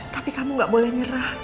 tapi kamu gak boleh nyerah